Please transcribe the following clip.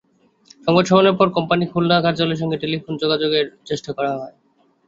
সংবাদ সম্মেলনের পর কোম্পানির খুলনা কার্যালয়ের সঙ্গে টেলিফোনে যোগাযোগের চেষ্টা করা হয়।